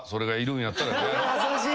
優しい！